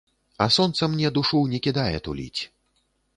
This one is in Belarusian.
А сонца мне душу не кідае туліць.